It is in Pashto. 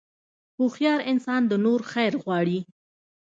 هوښیار انسان د نورو خیر غواړي.